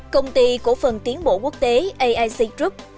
công ty cổ phần tiến bộ quốc tế aic group